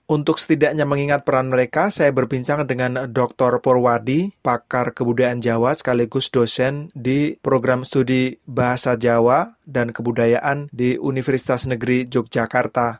untuk setidaknya mengingat peran mereka saya berbincang dengan dr purwadi pakar kebudayaan jawa sekaligus dosen di program studi bahasa jawa dan kebudayaan di universitas negeri yogyakarta